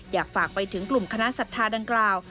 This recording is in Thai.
อยากฝากไปถึงกลุ่มคณะศรัทธาดังกล่าว